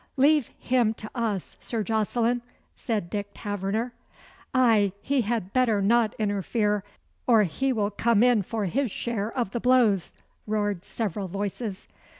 "Leave him to us, Sir Jocelyn," said Dick Taverner. "Ay, he had better not interfere, of he will come in for his share of the blows," roared several voices.